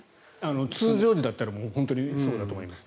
通常時だったら本当にそうだと思いますね。